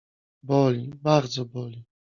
Boli, bardzo boli!